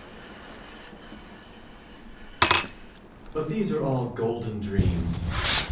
VII But these are all golden dreams.